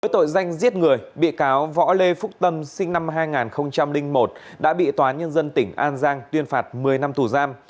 tội danh giết người bị cáo võ lê phúc tâm sinh năm hai nghìn một đã bị tòa nhân dân tỉnh an giang tuyên phạt một mươi năm tù giam